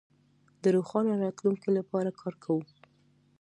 د روښانه راتلونکي لپاره کار کوو.